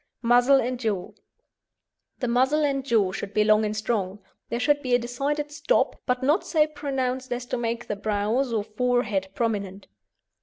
MUZZLE AND JAW The muzzle and jaw should be long and strong. There should be a decided "stop," but not so pronounced as to make the brows or forehead prominent.